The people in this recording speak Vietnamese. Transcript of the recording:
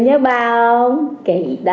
nhớ ba không kỳ ta